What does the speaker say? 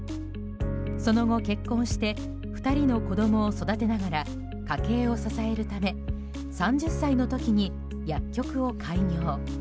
その後、結婚して２人の子供を育てながら家計を支えるため３０歳の時に薬局を開業。